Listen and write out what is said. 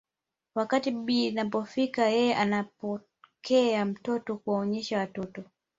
Wakati bibi inapofika yeye anapokea mtoto kuwaonyesha watoto